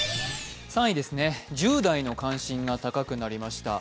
３位、１０代の関心が高くなりました。